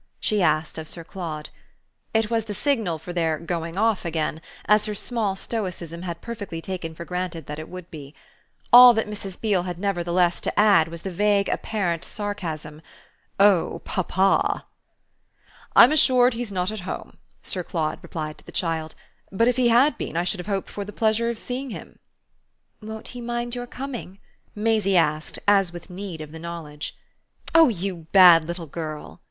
she asked of Sir Claude. It was the signal for their going off again, as her small stoicism had perfectly taken for granted that it would be. All that Mrs. Beale had nevertheless to add was the vague apparent sarcasm: "Oh papa!" "I'm assured he's not at home," Sir Claude replied to the child; "but if he had been I should have hoped for the pleasure of seeing him." "Won't he mind your coming?" Maisie asked as with need of the knowledge. "Oh you bad little girl!"